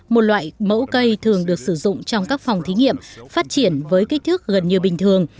một loại mẫu cây thường được sử dụng trong các phòng thí nghiệm phát triển với kích thước gần như bình thường